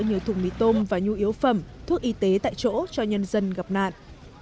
nhiều thùng mì tôm và nhu yếu phẩm thuốc y tế tại chỗ cho nhân dân gặp nạn